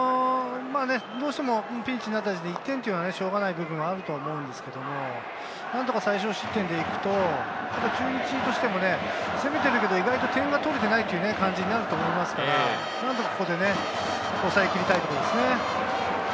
どうしてもピンチになった時点で１点はしょうがない部分があると思うんですけど、何とか最少失点で行くと、中日としても攻めてるけど、意外と点が取れていないという感じになると思いますから、何とかここで抑えきりたいですね。